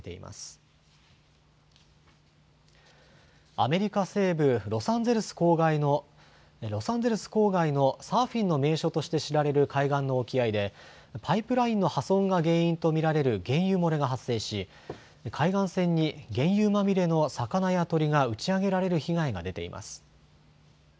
アメリカ西部ロサンゼルス郊外のサーフィンの名所として知られる海岸の沖合でパイプラインの破損が原因と見られる原油漏れが発生し海岸線に原油まみれの魚や鳥が打ち上げられる被害が出ています。